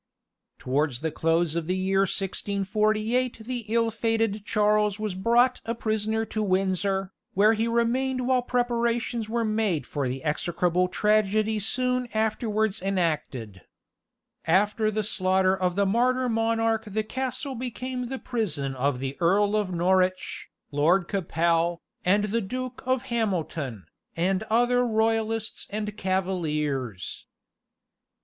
Towards the close of the year 1648 the ill fated Charles was brought a prisoner to Windsor, where he remained while preparations were made for the execrable tragedy soon afterwards enacted. After the slaughter of the martyr monarch the castle became the prison of the Earl of Norwich, Lord Capel, and the Duke of Hamilton, and other royalists and cavaliers.